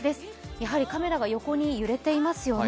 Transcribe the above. やはりカメラが横に揺れていますよね。